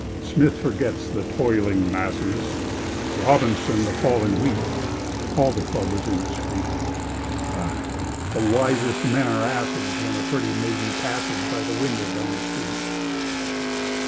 Smith forgets the "toiling masses," Robinson, the fall in wheat; All the club is indiscret. Ah, the wisest men are asses When a pretty maiden passes By the window down the street!